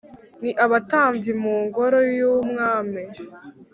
ni Abatambyi mu ngoro y’umwami.